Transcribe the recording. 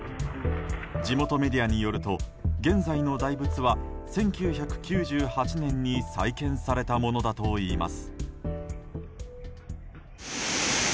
地元メディアによると現在の大仏は１９９８年に再建されたものだといいます。